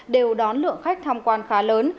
đều đón lượng khách thăm quan khá lớn